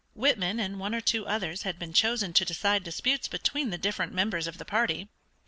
Whitman and one or two others had been chosen to decide disputes between the different members of the party.